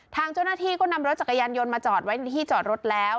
ทางเจ้าหน้าที่ก็นำรถจักรยานยนต์มาจอดไว้ในที่จอดรถแล้ว